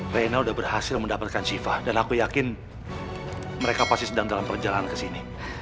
reina udah berhasil mendapatkan syifa dan aku yakin mereka pasti sedang dalam perjalanan kesini